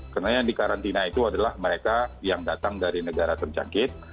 karena yang dikarantina itu adalah mereka yang datang dari negara tercakit